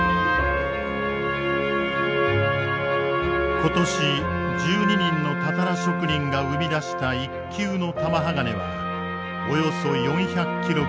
今年１２人のたたら職人が生み出した一級の玉鋼はおよそ４００キログラム。